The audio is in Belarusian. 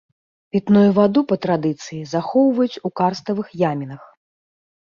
Пітную ваду па традыцыі захоўваюць у карставых ямінах.